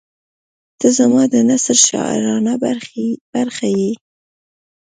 • ته زما د نثر شاعرانه برخه یې.